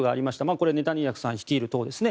これはネタニヤフさん率いる党ですね。